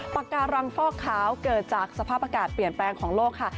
ปากการังฟอกขาวเกิดจากสภาพอากาศเปลี่ยนแปลงของโลกค่ะ